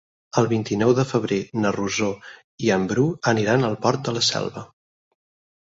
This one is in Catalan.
El vint-i-nou de febrer na Rosó i en Bru aniran al Port de la Selva.